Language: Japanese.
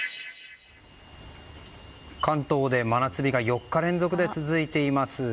関東で真夏日が４日連続で続いています。